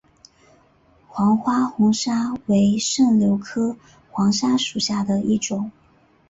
黄花红砂为柽柳科红砂属下的一个种。